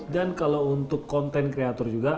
dan kalau untuk konten kreator juga